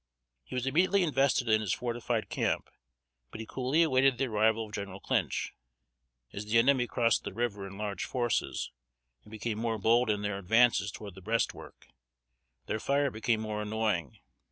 He was immediately invested in his fortified camp, but he coolly awaited the arrival of General Clinch. As the enemy crossed the river in large forces, and became more bold in their advances toward the breastwork, their fire became more annoying.